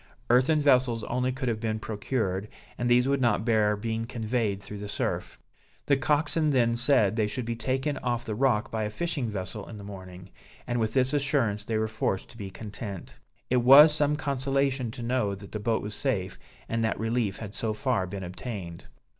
Earthen vessels only could have been procured, and these would not bear being conveyed through the surf. The coxswain then said they should be taken off the rock by a fishing vessel in the morning, and with this assurance they were forced to be content. It was some consolation to know that the boat was safe, and that relief had so far been obtained.